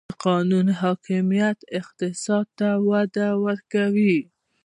د قانون حاکمیت اقتصاد ته وده ورکوي؟